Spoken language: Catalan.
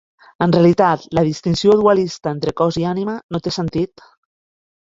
En realitat, la distinció dualista entre cos i ànima no té sentit.